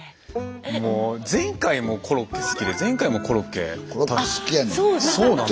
もう前回もコロッケ好きでコロッケ好きやねん。